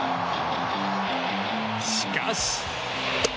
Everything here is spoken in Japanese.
しかし。